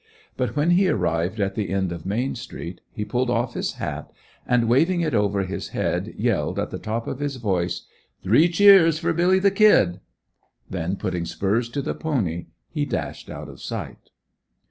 But when he arrived at the end of Main street he pulled off his hat, and waving it over his head, yelled at the top of his voice: "Three cheers for Billy the Kid!" Then putting spurs to the pony he dashed out of sight.